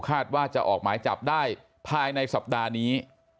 ว่าจะออกหมายจับได้ภายในสัปดาห์นี้